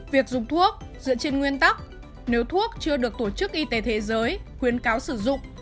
việc dùng thuốc dựa trên nguyên tắc nếu thuốc chưa được tổ chức y tế thế giới khuyến cáo sử dụng